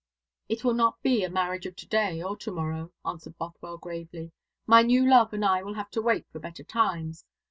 "It will not be a marriage of to day or to morrow," answered Bothwell gravely. "My new love and I will have to wait for better times.